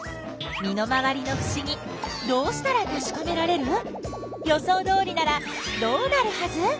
身の回りのふしぎどうしたらたしかめられる？予想どおりならどうなるはず？